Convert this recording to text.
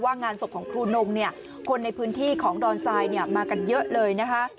ว่างานศพของครูนงคนในพื้นที่ของดอนไซน์มากันเยอะเลย